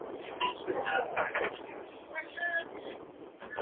There are also three apartment-style residence halls for upperclassmen.